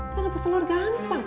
kan rebus telur gampang